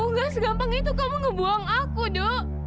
enggak segampang itu kamu ngebuang aku dok